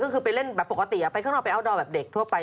ก็คือไปเล่นแบบปกติไปข้างนอกไปอัลดอร์แบบเด็กทั่วไป